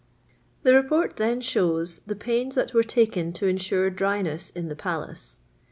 *" The Report then shows the pains that were taken to ensure dryness in the Palace.